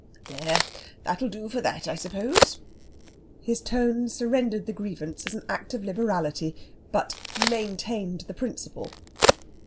"There, that'll do for that, I suppose." His tone surrendered the grievance as an act of liberality, but maintained the principle.